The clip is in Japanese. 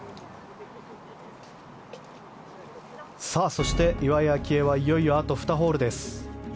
そして、岩井明愛はいよいよあと２ホールです。